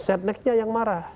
set next nya yang marah